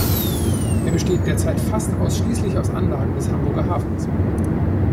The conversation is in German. Er besteht derzeit fast ausschließlich aus Anlagen des Hamburger Hafens.